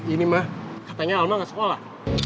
ini mah katanya alma nggak sekolah